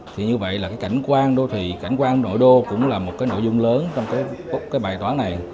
thì như vậy là cái cảnh quan đô thị cảnh quan nội đô cũng là một cái nội dung lớn trong cái bài toán này